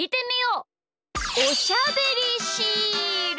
おしゃべりシール！